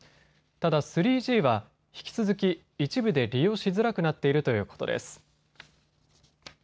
ただ３Ｇは引き続き一部で利用しづらくなっているということです。